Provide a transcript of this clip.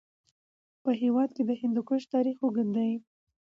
په هېواد کې د هندوکش تاریخ اوږد دی.